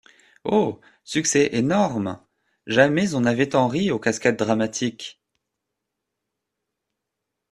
Oh ! succès énorme ! jamais on n'avait tant ri aux Cascades-Dramatiques !